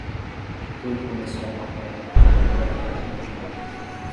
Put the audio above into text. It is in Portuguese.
O tubo começou a marrom quando ainda era praticamente novo.